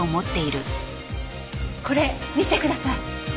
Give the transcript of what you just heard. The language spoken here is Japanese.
これ見てください。